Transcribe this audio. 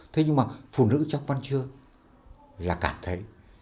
thế nhưng mà phụ nữ trong văn chương là cảm thấy